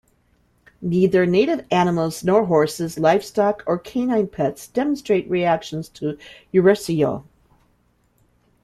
Neither native animals, nor horses, livestock, or canine pets demonstrate reactions to urushiol.